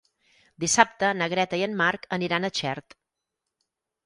Dissabte na Greta i en Marc aniran a Xert.